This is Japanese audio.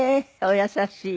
お優しい。